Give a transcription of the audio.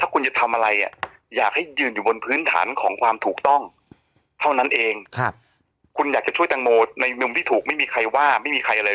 คุณอยากจะช่วยตังโมในมุมที่ถูกไม่มีใครว่าไม่มีใครอะไร